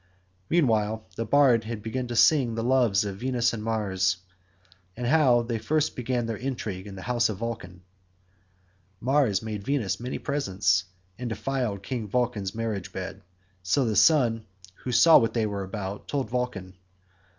Meanwhile the bard began to sing the loves of Mars and Venus, and how they first began their intrigue in the house of Vulcan. Mars made Venus many presents, and defiled King Vulcan's marriage bed, so the sun, who saw what they were about, told Vulcan.